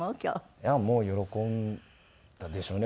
いやもう喜んだでしょうね。